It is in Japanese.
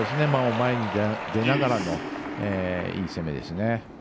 前に出ながらのいい攻めですね。